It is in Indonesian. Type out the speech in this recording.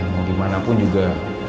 mau gimana pun juga